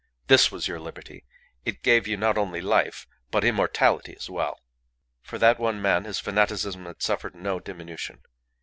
This was your liberty; it gave you not only life, but immortality as well! For that one man his fanaticism had suffered no diminution.